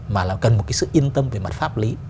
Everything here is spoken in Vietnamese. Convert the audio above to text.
mà là cần một cái sự yên tâm về mặt pháp lý